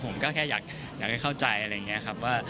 ผมก็แค่อยากให้เข้าใจอะไรอย่างนี้ครับว่า